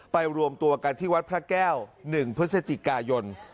รวมตัวกันที่วัดพระแก้ว๑พฤศจิกายน